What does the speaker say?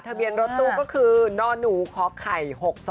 ทะเบียนรถตู้ก็คือนอนหนูคล็อกไข่๖๒๘๙